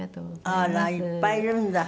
あらいっぱいいるんだ。